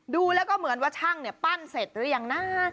ดูแล้วก็เหมือนว่าช่างเนี่ยปั้นเสร็จหรือยังนะ